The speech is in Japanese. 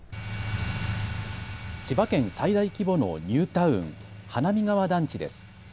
千葉県最大規模のニュータウン、花見川団地です。